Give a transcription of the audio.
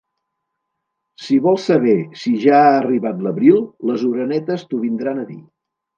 Si vols saber si ja ha arribat l'abril, les orenetes t'ho vindran a dir.